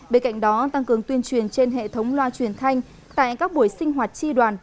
bên cạnh đó tăng cường tuyên truyền trên hệ thống loa truyền thanh tại các buổi sinh hoạt tri đoàn